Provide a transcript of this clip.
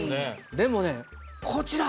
でもねこちら！